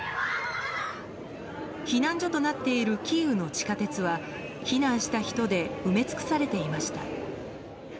避難所となっているキーウの地下鉄は避難した人で埋め尽くされていました。